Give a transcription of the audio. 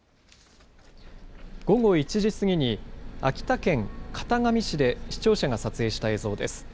午後１時過ぎに秋田県潟上市で視聴者が撮影した映像です。